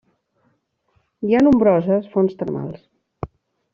Hi ha nombroses fonts termals.